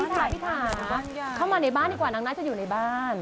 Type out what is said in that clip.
พี่ถาเข้ามาในบ้านดีกว่านางน่าจะอยู่ในบ้าน